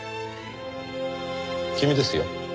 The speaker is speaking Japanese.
君ですよ。